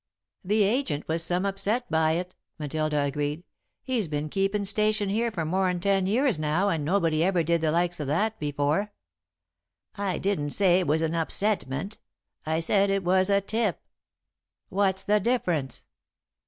"The agent was some upset by it," Matilda agreed. "He's been keepin' station here for more'n ten years now and nobody ever did the likes of that before." "I didn't say it was an upsetment I said it was a tip." "What's the difference?"